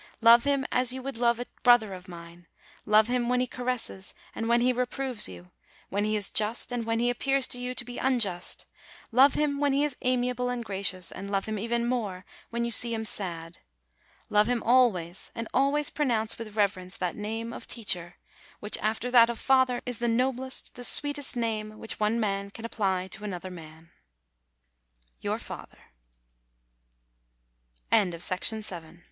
Love him as you would love a brother of mine; love him when he caresses and when 84 DECEMBER he reproves you ; when he is just, and when he appears to you to be unjust; love him when he is amiable and gracious; and love him even more when you see him sad. Love him always. And always pronounce with reverence that name of "teacher," which, after that of "father," is the noblest, the sweetest name which one man can apply to another man. YOUR FATHER.